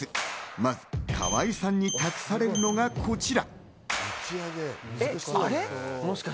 まず河合さんに託されるのがこちら。